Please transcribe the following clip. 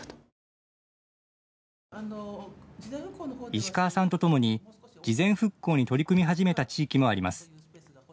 石川さんとともに事前復興に取り組み始めた地域もあります。